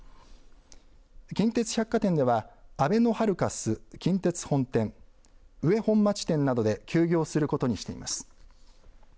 近鉄百貨店ではあべのハルカス近鉄本店、上本町店などで休業することにしています。